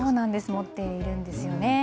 持っているんですよね。